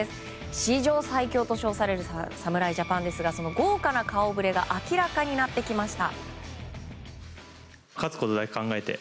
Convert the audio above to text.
史上最強と称される侍ジャパンですがその豪華な顔ぶれが明らかになってきました。